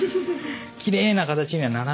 きれいな形にはならないですよね。